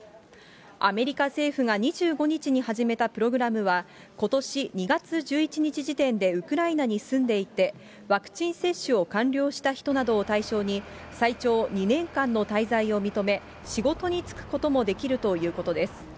アメリカ政府が２５日に始めたプログラムは、ことし２月１１日時点でウクライナに住んでいて、ワクチン接種を完了した人などを対象に、最長２年間の滞在を認め、仕事に就くこともできるということです。